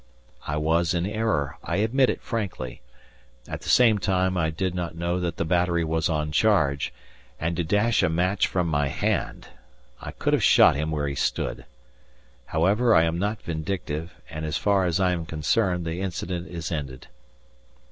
I was in error, I admit it frankly; at the same time I did not know that the battery was on charge, and to dash a match from my hand! I could have shot him where he stood. However, I am not vindictive, and as far as I am concerned the incident is ended.